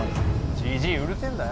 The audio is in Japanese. じじいうるせえんだよ。